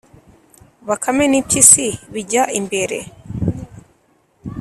Bakame n' impyisi bijya imbere,